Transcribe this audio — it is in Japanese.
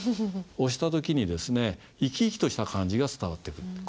押した時に生き生きとした感じが伝わってくる。